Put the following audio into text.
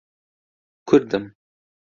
کوردم.